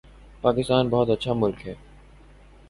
پاکستان بہت اچھا ملک ہے